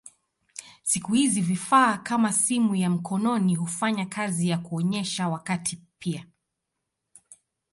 Siku hizi vifaa kama simu ya mkononi hufanya kazi ya kuonyesha wakati pia.